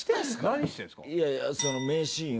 何してるんですか？